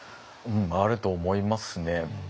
うんあると思いますね。